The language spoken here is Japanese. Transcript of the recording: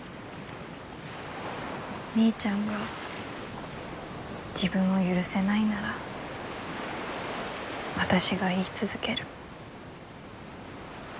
みーちゃんが自分を許せないなら私が言い続ける。